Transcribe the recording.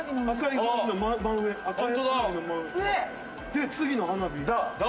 で次の花火「ダ」。